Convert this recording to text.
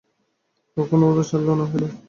তখনও ওদের ছাড়লে না কেন?